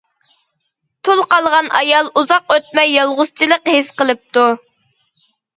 تۇل قالغان ئايال ئۇزاق ئۆتمەي يالغۇزچىلىق ھېس قىلىپتۇ.